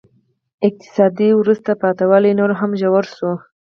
اقتصادي وروسته پاتې والی نور هم ژور شو.